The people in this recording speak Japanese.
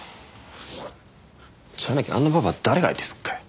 じゃなきゃあんなババア誰が相手すっかよ。